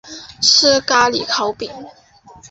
吃咖哩烤饼